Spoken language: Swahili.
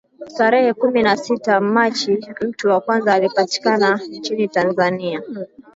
Tarehe kumi na sita Machi mtu wa kwanza alipatikana nchini Tanzania